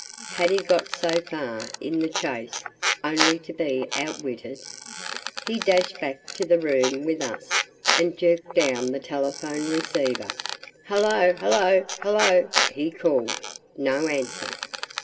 Had he got so far in the chase, only to be outwitted? He dashed back to the room, with us, and jerked down the telephone receiver. "Hello hello hello!" he called. No answer.